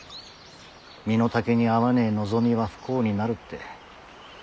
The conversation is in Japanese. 身の丈に合わねえ望みは不幸になるって。